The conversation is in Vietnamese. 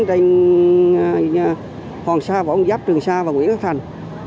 trên hoàng sa võ ngọc giáp trường sa và nguyễn quốc thành